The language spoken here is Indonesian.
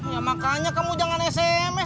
ya makanya kamu jangan sms